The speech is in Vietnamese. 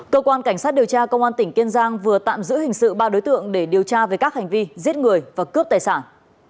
cơ quan cảnh sát điều tra công an tỉnh kiên giang vừa tạm giữ hình sự ba đối tượng để điều tra về các hành vi giết người và cướp tài sản